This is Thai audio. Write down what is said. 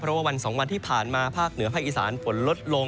เพราะว่าวัน๒วันที่ผ่านมาภาคเหนือภาคอีสานฝนลดลง